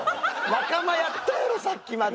仲間やったやろさっきまで。